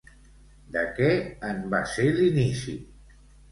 De què en va ser l'inici?